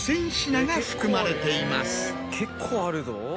結構あるぞ。